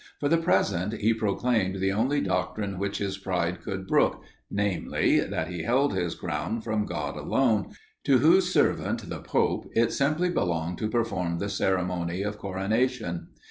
For the present, he proclaimed the only doctrine which his pride could brook, namely, that he held his crown from God alone, to whose Servant, the Pope, it simply belonged to perform the ceremony of coronation.